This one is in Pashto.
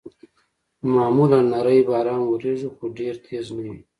معمولاً نری باران اورېږي، خو ډېر تېز نه وي.